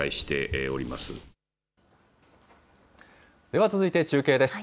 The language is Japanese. では続いて中継です。